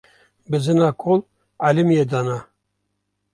Bizina kol elimiye dana